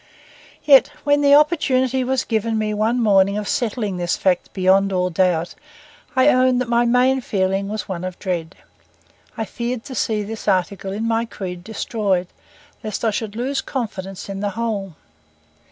Yet when the opportunity was given me one morning of settling this fact beyond all doubt, I own that my main feeling was one of dread. I feared to see this article in my creed destroyed, lest I should lose confidence in the whole.